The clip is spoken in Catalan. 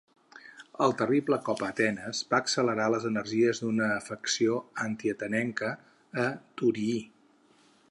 El terrible cop a Atenes va accelerar les energies d'una facció anti-atenenca a Thurii.